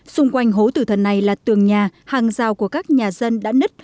xung quanh hố tử thần này là tường nhà hàng rào của các nhà dân đã nứt